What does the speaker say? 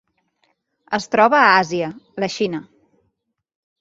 Es troba a Àsia: la Xina.